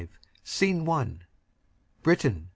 SCENE I. Britain.